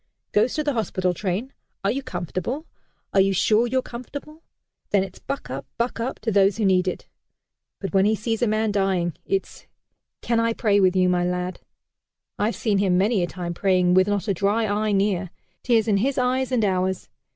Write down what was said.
Goes to the hospital train 'Are you comfortable? Are you sure you're comfortable?' Then it's 'Buck up! Buck up!' to those who need it. But when he sees a man dying, it's 'Can I pray with you, my lad?' I've seen him many a time praying, with not a dry eye near tears in his eyes and ours.